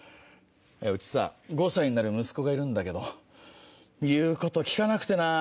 うちさ５歳になる息子がいるんだけど言うこと聞かなくてな。